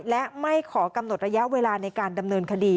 และไม่ขอกำหนดระยะเวลาในการดำเนินคดี